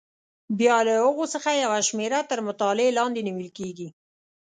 بیا له هغو څخه یوه شمېره تر مطالعې لاندې نیول کېږي.